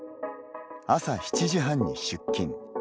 朝７時半に出勤。